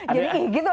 jadi ihh gitu